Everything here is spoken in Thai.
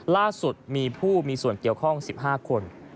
ล่าสุดมีผู้มีส่วนเกี่ยวข้อง๑๕คน